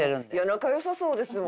仲良さそうですもん。